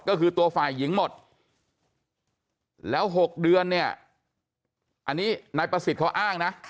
ก็คือตัวฝ่ายหญิงหมดแล้ว๖เดือนเนี่ยอันนี้นายประสิทธิ์เขาอ้างนะ